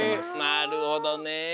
なるほどね。